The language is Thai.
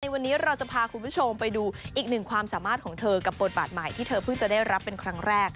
วันนี้เราจะพาคุณผู้ชมไปดูอีกหนึ่งความสามารถของเธอกับบทบาทใหม่ที่เธอเพิ่งจะได้รับเป็นครั้งแรก